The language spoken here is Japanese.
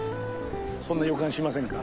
そんな予感しませんか？